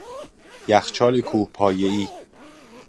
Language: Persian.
یخچال کوهپایه ای